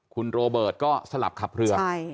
คุณโรเบิร์ตก็สลับขับเรือ